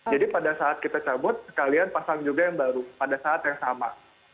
jadi pada saat kita cabut sekalian pasang juga yang baru pada saat yang sama